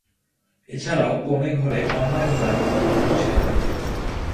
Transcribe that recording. এছাড়াও কনে ঘরে কন্যা ধরা একটি ভোজ দেন।